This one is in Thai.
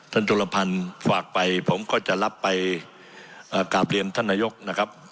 ท่านจุลภัณฑ์ฝากไปผมก็จะรับไปกลับเรียนท่านนโยคนะครับ